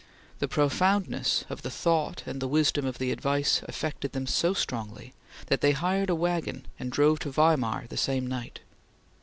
the profoundness of the thought and the wisdom of the advice affected them so strongly that they hired a wagon and drove to Weimar the same night.